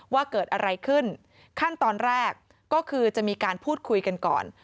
ว่าเกิดอะไรขึ้นขั้นตอนแรกก็คือจะมีการพูดคุยกันก่อน